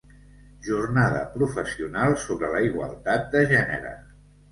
Jornada professional sobre la igualtat de gènere.